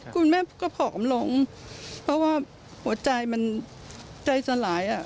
คุณแม่ก็ผอมลงเพราะว่าหัวใจมันใจสลายอ่ะ